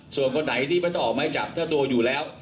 ส่วนคนไหนที่ไม่ต้องออกไม้จับเจ้าตัวอยู่แล้ว